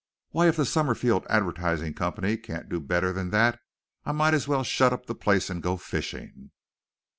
Why, if the Summerfield Advertising Company can't do better than that I might as well shut up the place and go fishing.